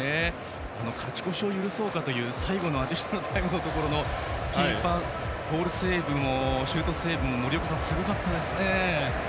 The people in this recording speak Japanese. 勝ち越しを許そうかという最後のアディショナルタイムでのシュートセーブも森岡さん、すごかったですね。